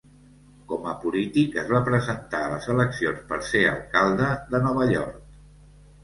Com a polític, es va presentar a les eleccions per ser alcalde de Nova York.